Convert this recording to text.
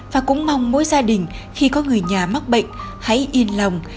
và cũng mong mỗi gia đình khi có người nhà mắc bệnh hãy yên lòng